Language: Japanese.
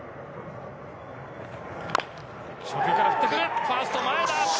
初球から振ってくる、ファーストの前だ。